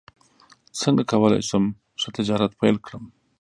څنګه کولی شم ښه تجارت پیل کړم